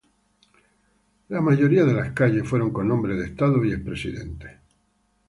La mayoría de las calles fueron con nombres de estados y expresidentes.